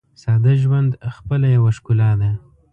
ساده ژوند خپله یوه ښکلا ده.